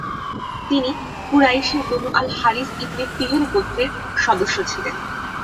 তিনি কুরাইশের Banu al Harith ibn Fihr গোত্রের সদস্য ছিলেন।